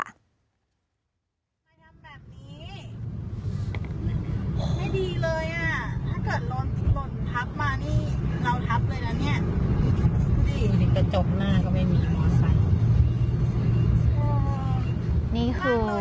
แบบนี้ไม่ดีเลยอ่ะถ้าเกิดลนลนทับมานี่เราทับเลยแล้วเนี้ย